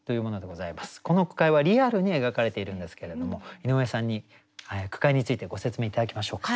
この句会はリアルに描かれているんですけれども井上さんに句会についてご説明頂きましょうか。